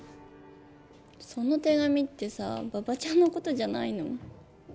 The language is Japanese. その手紙ってさ馬場ちゃんのことじゃないの？